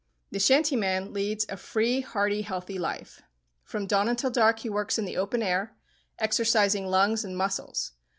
The shantyman leads a free, hearty, healthy life. From dawn until dark he works in the open air, exercising lungs and muscles.